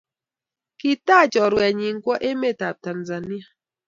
kitaach chorwenyin kowo emet ab Tanzania